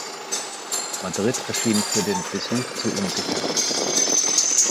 Madrid erschien für den Besuch zu unsicher.